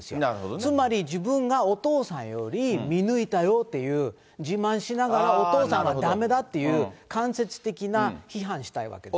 つまり、自分がお父さんより見抜いたよっていう、自慢しながら、お父さんはだめだっていう、間接的な批判したいわけです。